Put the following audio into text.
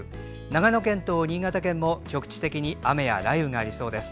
長野県と新潟県も局地的に雨や雷雨がありそうです。